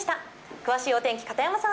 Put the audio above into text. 詳しいお天気、片山さん